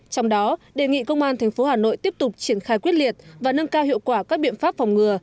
trong đó đề nghị công an tp hà nội tiếp tục triển khai quyết liệt và nâng cao hiệu quả các biện pháp phòng ngừa